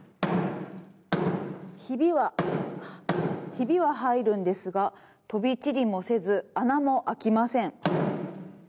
ひびは入るんですが飛び散りもせず穴も開きません。